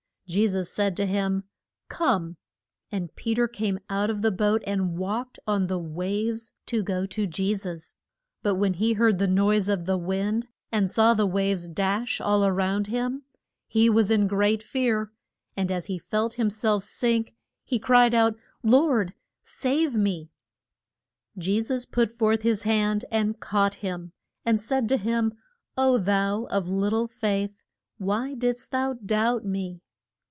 Je sus said to him, Come, and Pe ter came out of the boat and walked on the waves to go to Je sus. But when he heard the noise of the wind, and saw the waves dash all round him, he was in great fear; and as he felt him self sink he cried out, Lord, save me. [Illustration: PE TER WALK ING ON THE WA TER.] Je sus put forth his hand and caught him, and said to him, O thou of lit tle faith, why didst thou doubt me?